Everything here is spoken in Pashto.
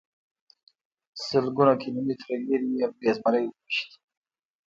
سلګونه کیلومتره لرې یې پرې زمری وويشت.